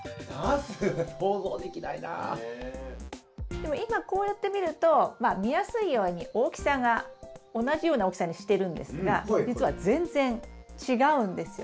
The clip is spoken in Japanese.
でも今こうやって見ると見やすいように大きさが同じような大きさにしてるんですがじつは全然違うんですよ。